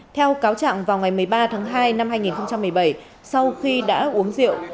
theo cáo trạng vào ngày một mươi ba tháng hai năm hai nghìn một mươi bảy sau khi đã uống rượu